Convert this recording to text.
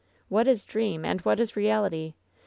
"What is dream and what is reality ?